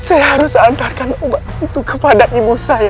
saya harus antarkan obat itu kepada ibu saya